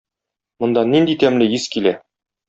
Монда нинди тәмле ис килә!